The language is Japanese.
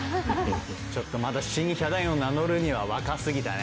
ちょっとまだ新ヒャダインを名乗るには若すぎたね。